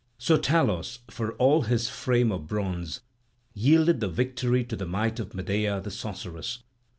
So Talos, for all his frame of bronze, yielded the victory to the might of Medea the sorceress.